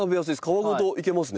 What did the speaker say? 皮ごといけますね。